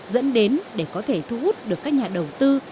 dẫn đến để có thể thu hút được các nhà đầu tư